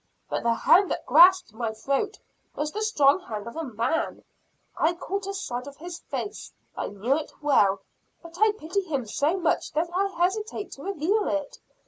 But the hand that grasped my throat was the strong hand of a man. I caught a sight of his face. I knew it well. But I pity him so much that I hesitate to reveal it.